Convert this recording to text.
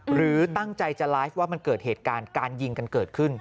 หรือตั้งใจจะไลฟ์ว่ามันเกิดเหตุการณ์การยิงกันเกิดขึ้น